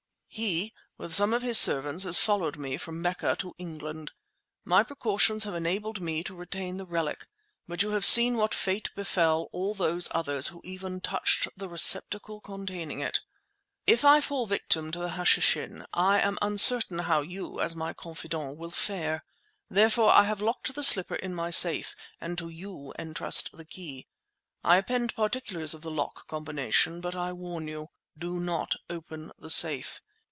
He, with some of his servants, has followed me from Mecca to England. My precautions have enabled me to retain the relic, but you have seen what fate befell all those others who even touched the receptacle containing it. If I fall a victim to the Hashishin, I am uncertain how you, as my confidant, will fare. Therefore I have locked the slipper in my safe and to you entrust the key. I append particulars of the lock combination; but I warn you—do not open the safe.